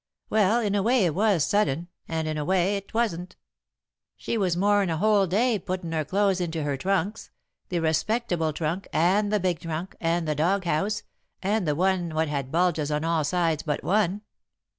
"Well, in a way it was sudden, and in a way 'twasn't. She was more'n a whole day puttin' her clothes into her trunks the respectable trunk, and the big trunk, and the dog house, and the one what had bulges on all sides but one."